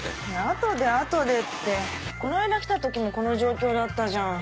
後で後でってこの間来た時もこの状況だったじゃん。